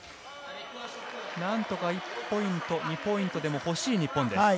何とか１ポイント、２ポイントでも欲しい日本です。